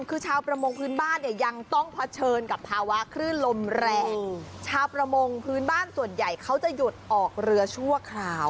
คือชาวประมงพื้นบ้านเนี่ยยังต้องเผชิญกับภาวะคลื่นลมแรงชาวประมงพื้นบ้านส่วนใหญ่เขาจะหยุดออกเรือชั่วคราว